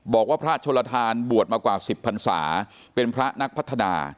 บอกว่าพระชนลทานบวชมากว่า๑๐พันศาเป็นพระนักพัฒนา